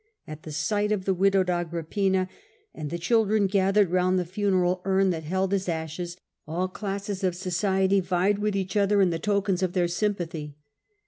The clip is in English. At the sight of the widowed Agrippina, and the children gathered round the funeral urn that held his ashes, all classes of society vied with each other in the tokens of their sympathy.